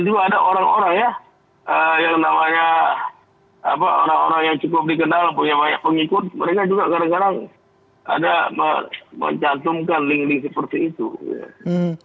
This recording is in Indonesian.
mereka juga kadang kadang ada mencantumkan link link seperti itu